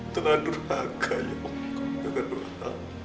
terlalu durhaka ya allah